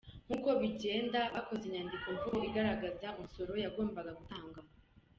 Nk’uko bigenda, bakoze inyandiko mvugo igaragaza umusoro yagombaga gutanga.